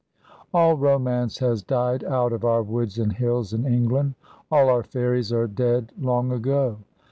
All romance has died out of our woods and hills in England, all our fairies are dead long ago.